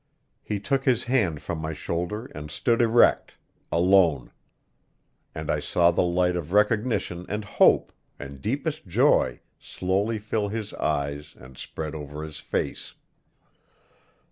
He took his hand from my shoulder and stood erect, alone; and I saw the light of recognition and hope and deepest joy slowly fill his eyes and spread over his face.